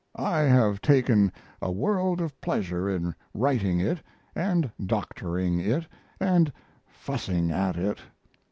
I have taken a world of pleasure in writing it & doctoring it & fussing at it.